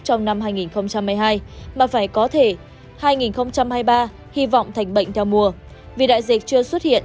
trong năm hai nghìn hai mươi hai mà phải có thể hai nghìn hai mươi ba hy vọng thành bệnh theo mùa vì đại dịch chưa xuất hiện